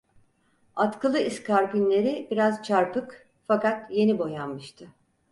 Atkılı iskarpinleri biraz çarpık, fakat yeni boyanmıştı.